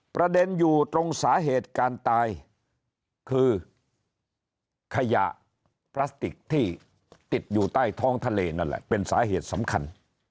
ประเด็นอยู่ตรงสาเหตุการตายคือขยะพลาสติกที่ติดอยู่ใต้ท้องทะเลนั่นแหละเป็นสาเหตุสำคัญ